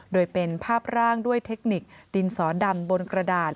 โดยเป็นภาพร่างด้วยเทคนิคดินสอดำบนกระดาษ